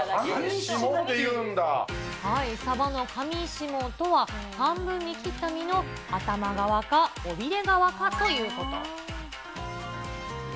カミ、サバのカミシモとは、半分に切った身の頭側か、尾びれ側かということ。